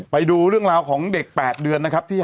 ไปดูเรื่องราวของเด็ก๘เดือนนะครับ